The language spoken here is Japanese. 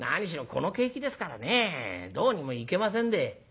この景気ですからねどうにもいけませんで」。